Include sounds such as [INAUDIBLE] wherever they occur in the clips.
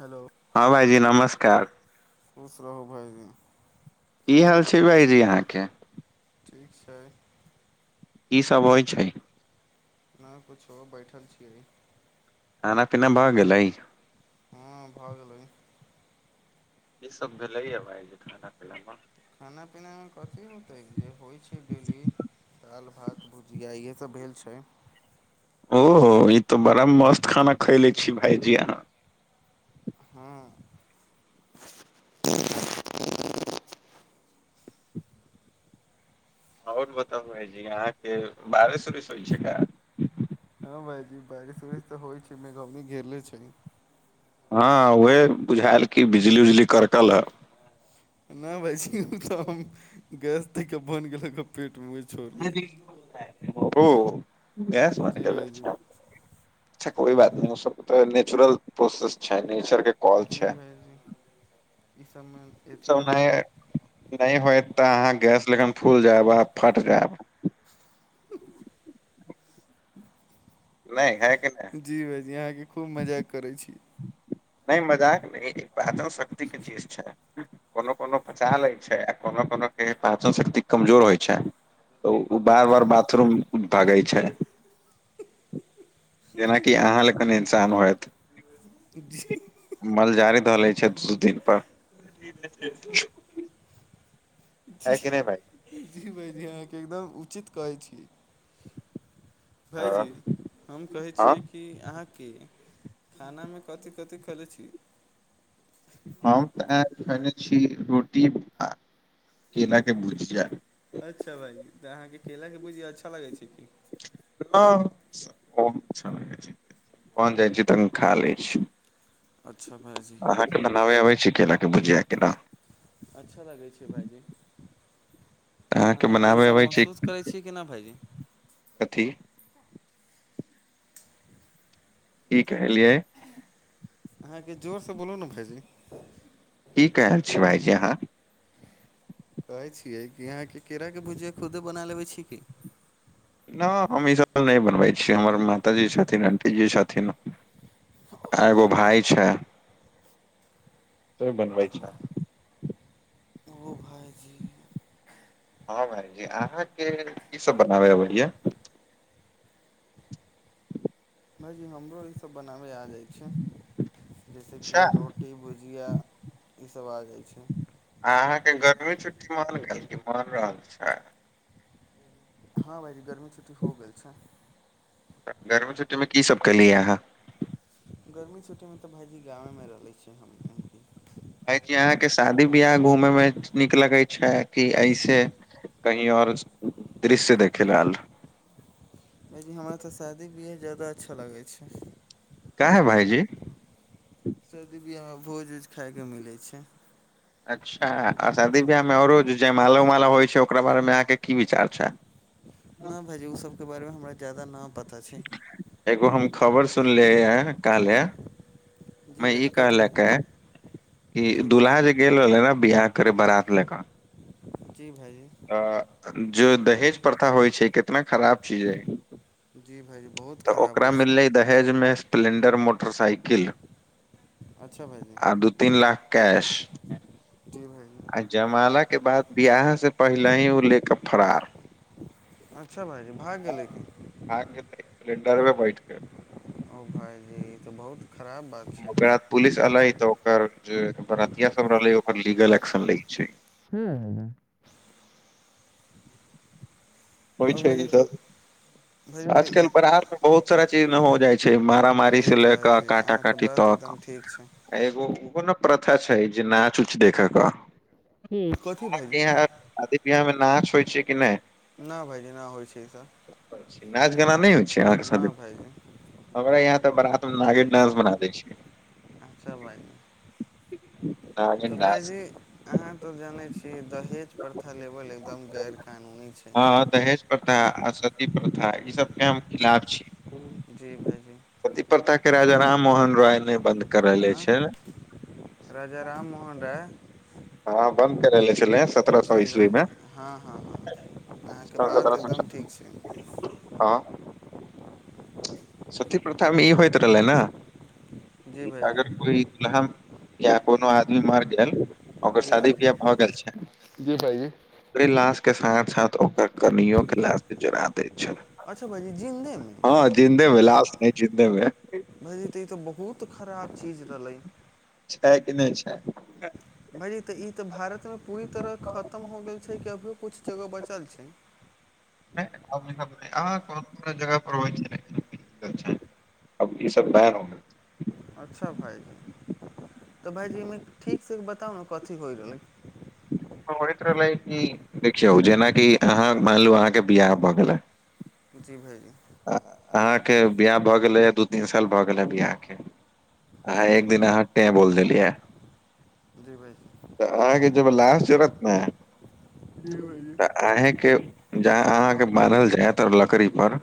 Hello हँ भाइजी नमस्कार खुश रहू भायजी की हाल छै भाइजी अहाँके ठीक छै ई सभ होइ छै नहि कुछो बैठल छियै खाना पिना भऽ गेलई हँ भऽ गेलै कि सब भेलैया भइ जे खाना पीना मे खाना पीनामे कथी होतै जे होइ छै डेली दालि भात भुजिया इएहे सब भेल छै ओहो ई तऽ बड़ा मस्त खाना खयले छी भाायजी अहाँ हँ आओर बताब भाजी अहाँके बारिस उरिस होइ छै का हँ भाायजी बारिश उरिश तऽ होइ छै मेघ अभि गरले छै हँ उएह बुझायल की बिजली उजली करकल ह नहि भायजी तऽ हम गैस ती क बनि गेलहु गप पीटमे छो ओ गैस बनि जी गेल भाइजी अछि अच्छा कोइ बात नय ओ सब तऽ नेचुरल प्रोसेस छै नेचर के कॉल जी छै भइजी ई सबमे ई अथी सभ मे न नय होयत तऽ अहाँ गैस लेकन फुल जायब आ फट जायब नय है कि नय जी भाइजी अहाँके खूब मजाक करै छी। नय मजाक नय एक पहच [UNINTELLIGIBLE] ल शक्ति के चीज छै। कोनो कोनो पचा लै छै। आ कोनो कोनो के पाचन शक्ति कमजोर होइ छै। तऽ उ बार-बार बाथरूम भागै छै जेनाकि अहाँ लग कन इंसान होयत [INAUDIBLE] मल जारी धऽ लै छै दु दिन पर है की नय भाइ भायजी अहाँके एकदम उचित कहै छियै हँ भाइजी हम कहै हँ, छियै। की अहाँके खानामे कथी कथी खेलै छी। हम तऽ आ खयने छी। रोटी आ केलाके भुजिया अच्छा भाइ तऽ अहाँकेँ केलाके भूजिया अच्छा लगै छै। की हँ बहुत अच्छा लगै छै बन जाइ छी तऽ खा लै छी। अच्छा भाय जी अहाँके बनाबे आबै छी। केला के भुजिया केनो अच्छा लगै छै। भायजी तऽ अहाँके बनाबे सब अबै छै महसूस करै छी। छी की न भाइजी कथी? की कहलियै अहाँके जोर से बोलू ने भाईजी। की कहल छी। भायजी अहाँ कहैत छियै कि अहाँके केराके भुजिया खुदै बना लेबै छी की न हम ई सब न बनबै छी हमर माताजी छथिन आंटी जी छथिन आ एगो भाय छै। से बनबै छै। ओ भाइजी हँ भाईजी अहाँके की सब बनाबे अबैया भाइजी हमरो ई सब बनाबे आ जाइ छै। जैसेकी अच्छा रोट टी भुजिया ई सब आ जाइ छै। अहाँके गर्मी छुट्टी मन गेल की मन रहल छै। हँ भाइजी गर्मी छुटी हो गेल छै। तऽ गर्मी छुट्टीमे की सभ कैली अहाँ गर्मी छुट्टीमे तऽ भाइजी गावेमे रहलै छी हम एहिंपे भाइजी अहाँके शादी बियाह घूमे मे नीक लगै छै। कि ऐसे कहीं आओर दृश्य देखे लाल भाइजी हमरा तऽ शादी बियाह ज्यादा अच्छा लागै छै। काहै भायजी शर्दी बिियाहमे भोज उज खाइके मिलै छै। अच्छा आ शादी ब्याहमे आओरो जय माला उमाला होइत छै। ओकरा बारेमे अहाँके की विचार छै। नहि भायजी ओसभके बारेमे हमरा ज्यादा नहि पता छै। एगो हम खबर सुनलिय हे काले जी मे ई भायजी कथी कहलक भायजी कि जी दुल्हा जे भायजी गेल रहले ने बिियह करे बारात ले कऽ जी भाजी अ जेो दहेज प्रथा होइ छै। कितना खराब चीज हइ। जी भायजी बहुत तऽ खराब ओकरा होइ छै मिललै दहेजमे स्प्लें्डर मोटरसाइकिल अच्छा भायजी आ दू तीन लाख कैश। जी भायजी जमालाके बाद बिआह से पहिले ही ओ लेके फरार। अच्छा भाइजी भाग गेलै की? [UNINTELLIGIBLE] बैठ के ओ भाइजी ई तऽ बहुत खराब बात छै। ओकरा बाद पुलिस एलै तऽ ओकर जे बरतिया सब रहले ओकर लीगल एक्शन लै छै हू होइ आओर छै भायजी ई तऽ सब भायजी तऽ आजकल ई बराात मे बहुत सारा चीज ने हो जाइ छै। जी मारामारी सऽ ले कऽ भायजी काँटा अहाँके काटी बात एकदम तक ठीक छै। एगो कोन प्रथा छै। जे नाच उच देखयके हू कथी भाज खादी बिीाहमे नाच होइ छै कि नहि नहि भायजी ना होइ छै ई सभ नाच गाना नहि होइ छै अहाँके शादी भाइजी हमरा यहाँ तऽ बारात मऽ नागिन डांस बना दै छिये अच्छा भइली नागिन तऽ डांस भाइजी अहाँ तऽ जानै छी दहेज प्रथा लेवल एकदम गैर कानूनी छै हँ दहेज प्रथा आ सती प्रथा ई सबके हम खिलाफ छी जी भाइजी प्रता के राजा राम मोहन रॉाय नहि बन्द करेने हँ छैन राजा राम मोहन राय हँ बंद करेले छलै सत्रह सौ जी ईस्वी मे भाजी हँ हँ अहाँके सन बात सत्रह सौ एकदम ठीक छै हँ सती प्रथामे ई होइत रहलै जी नऽ अगर भाइजी कोइ नाम या कोनो आदमी मरि गेल ओकर जी शादी ब्याह भाइजी भऽ गेल छै जी भाइजी ओकरे लश के साथ साथ ओकर कनिियो कऽ लास त जड़ा दे छेय अच्छा भयजी जिनदे मऽ हँ जिन्देमे लाश नहि जिन्देमे भायची ई तऽ बहुत खराब चीज रहलै छै कि नहि छै भायजी तऽ ई तऽ भारतमे पूरी तरह खतम हो गेल छै कि अभियो किछु जगह बचल छै [UNINTELLIGIBLE] [UNINTELLIGIBLE] अब ई सब बयन हो अच्छा भाइजी तऽ भाइजी एहिमे ठीकसँ बताउ नऽ कथी होइ रहलै [UNINTELLIGIBLE] देखियौ जेनाकि अहाँ मानलू अहाँके बियाह भऽ गेल हे जी भाईजी अहाँके बियाह भऽ गेलैए दू तीन साल भऽ गेल ह बियाह के अहा जी एक दिन भाइजी अहाँ टें बोल देलियै जी भाइजी तऽ अहाँके लास जरत ने जी आहां के ज अहाँके बानहल जायत लकड़ी पर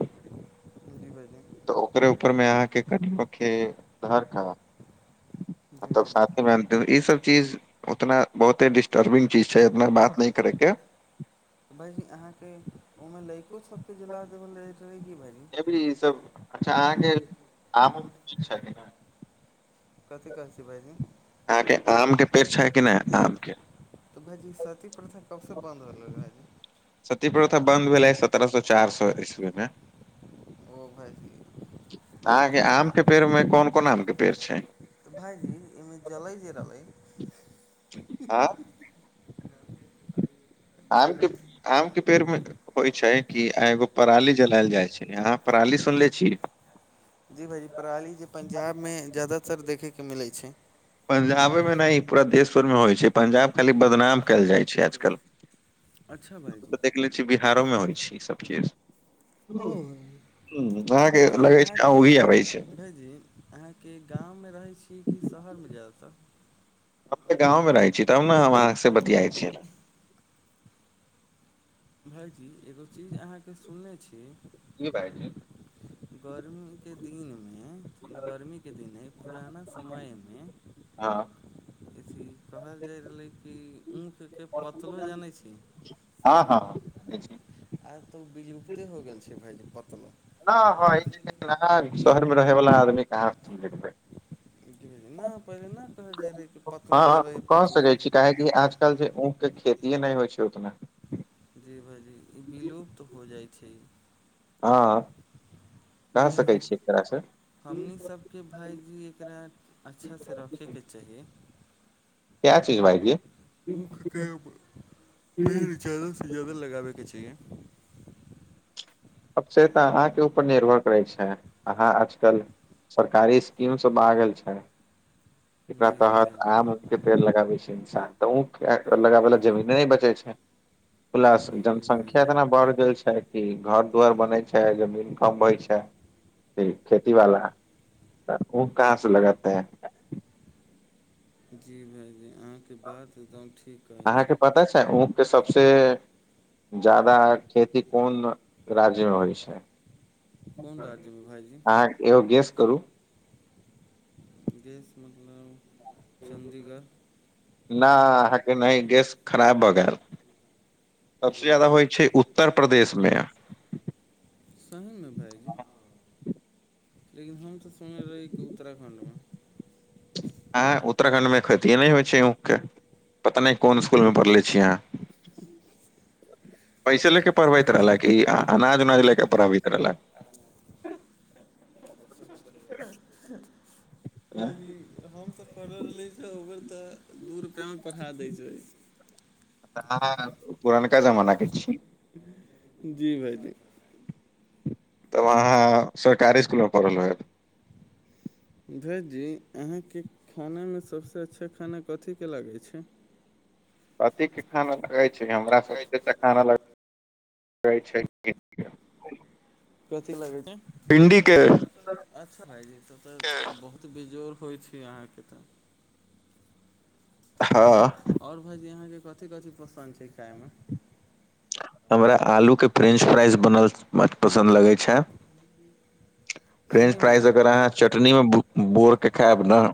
भ बाद [UNINTELLIGIBLE] तऽ ओकरे ऊपर मे अहाँके कट [UNINTELLIGIBLE] धर खराब जी तब भाइजी साथेमे अनतै ई सब चीज उतना बहुते डिस टर्बिंग चीज छय इतना बात नय करय के भायईजी अहाँ के ओमे लईको सब के जला देव रहे की भायजी छोरु ई सब अच्छा अहाँके आम कि [UNINTELLIGIBLE] कथी कहै छी भाईजी अहाँके आम के पेड़ छय कि नय आम के तऽ भाईजी सती प्रथा कब से बन्द होल रह भाईजी सती प्रथा बंन्द भेलै सत्रह सए चारि सए ईस्वी मे ओ भाय अहाँके आम के पेड़ मे कोन कोन आम के पेड़ छै तऽ भाइजी एहिमे जलै जे रहलै आँ आम के आम के पेड़ मे होइ छै कि एगो पराली जलायल जाइ छै अहाँ पराली सुनले छी जी भाईजी पराली जे पंजाब मे ज्यदातर देखै के मिलै छै पंजाबे मे नय पूरा देशभर मे होइ छै पंजाब खाली बदनाम कयल जाइ छै आजकल अच्छा भाइजी तऽ देख ले बिहारो मे होइ छै ई सभ चीज अहाँके भाइजी लगै छै अहाँके ओंगही अबै छै भाइजी अहाँके गाम मे रहै छी कि शहर मे जादा तर अपने गाँव मे रहै छी तब ने हम अहाँ से बतियाइ छी भाईजी एगो चीज अहाँके सुनने छी की पाय छी गर्मी के दिन मे गर्मी के दिन हइ पुराना समय मे हँ अथी कहल जाइ रहलै कि ऊखके पतलो जनै छी हँ आर तऽ बिलुप्ते हो गेल छै भाइज पतला [UNINTELLIGIBLE] शहरमे रहै बला आदमी कहाँ देखबै नय पहिले नय कहै जाइ रहै कि पथलो जा रहैै पथलो जे आज कल छै ऊं के खेतीए नय होइ छै ओतना जी भाजी ई विलुप्त हो जाइ छै ई हँ भ लेकिन सकै हम छै ओकरा से हमनी सभ के भायजी एकरा अच्छासँ रखै के चाहीये क्या चीज भाईजी ऊख के पीर चलु सजोदर लगाबै के छिए अब से तऽ अहाँके ऊपर निर्भर करै छै अहाँ आजकल सरकारी स्कीम सब आ गेल छै एकरा जी तहत भाइजी आम पेड़ लगाबै छै इन्सान तऽ लगाबे ल जमीन नहि बचे छै खुला जी जनसंख्या इतना भाइजी बढ़ि गेल छै कि घर दुर बनै छै जमीन फर्म होय छै खेती वाला तऽ उऽ कहाँ से लगाते जी भाइजी अाँ के बात एकदम ठीक कहै अहाँके छी पता ज्यदा खेती कोन राज्य मे होइ छै कोन राज्यमे भाइजी आहाँ ऐगो गेस करू गैस मतलब चण्डीगढ़ ना नहि गैस खराब भऽ गेल सबसँ जी ज्यादा भाइजी होइ छै उत्तर प्रदेशमे सही मऽ भाइजी लेकिन हम तऽ सुनने रही कि उत्तराखण्डमे आ उत्तराखं्ड मे खेतिए नहि होइ छै उके पता नहि कोन स्कुल मे पढ़ले छीियै अहाँ [UNINTELLIGIBLE] पैसे लेके पढ़बैत रहलक ई अनाज उनाज लेके पढ़बैत रहलय भायजी हम तऽ पढ़ल रहली ओकर तऽ दू रुपैआमे पढ़ा दै छै तऽ आहाँ पुरनका जमाना के छी [UNINTELLIGIBLE] जी भाायजी तब अहाँ सरकारी स्कुलमे पढ़ल हो ह भाईजी अहाँके खानामे सभसँ अच्छा खाना कथीके लागैत छै [INAUDIBLE] कथिके खाना लगै छै हमरा सब [INAUDIBLE] खाना छै कथि लगे भिंडी छैय के अच्छा भाायजी तऽ तऽ बहुत बेजोड़ होइ छै अहाँके तऽ हँ आओर भाजी अहाँके कथी कथी पसन्द छै खाइमे हमरा आलूके फ्रेंच फ्राइज बनल पसन्द लगैत छै फ्रेंच सहीमे फ्राइज अगर अहाँ भाइजी चटनीमे बोर कऽ खायब नऽ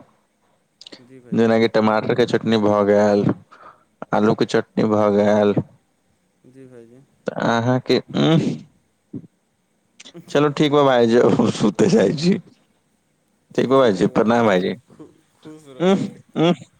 जी जेनाकि भाइजी टमाटर के चटनी भए गेल आलू के चटनी भए गेल जी भाइजी तऽ अहाँके चलू ठीक यऽ भाईजी जाइ ठीक छी भाइजी खु [UNINTELLIGIBLE] खुश रहू भाइजी [UNINTELLIGIBLE]